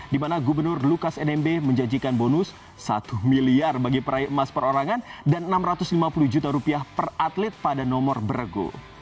di mana gubernur lukas nmb menjanjikan bonus satu miliar bagi peraih emas perorangan dan rp enam ratus lima puluh juta rupiah per atlet pada nomor berego